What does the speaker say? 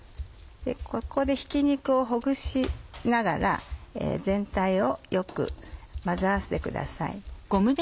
ここでひき肉をほぐしながら全体をよく混ぜ合わせてください。